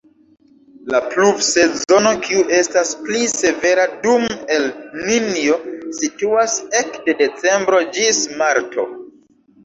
La pluvsezono, kiu estas pli severa dum El-Ninjo, situas ekde decembro ĝis marto.